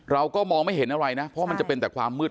เราก็มองไม่เห็นอะไรนะเพราะมันจะเป็นแต่ความมืด